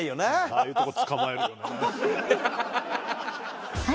ああいうとこ捕まえるよね。